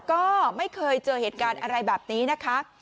ก็ไม่เคยเจอเหตุการณ์อะไรแบบนี้นะคะ